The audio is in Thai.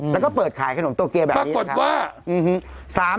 แล้วก็เปิดขายขนมโตเกียวแบบนี้นะครับ